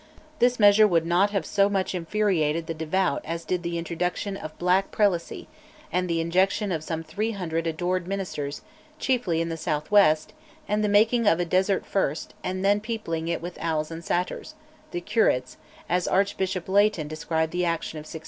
This measure would not have so much infuriated the devout as did the introduction of "black prelacy," and the ejection of some 300 adored ministers, chiefly in the south west, and "the making of a desert first, and then peopling it with owls and satyrs" (the curates), as Archbishop Leighton described the action of 1663.